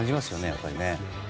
やっぱりね。